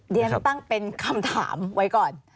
เรียนตั้งเป็นคำถามไว้ก่อน